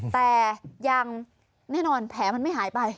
แต่ยังแน่นอนแผลมันไม่หายไป